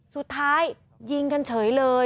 สุดท้ายยิงกันเฉยเลย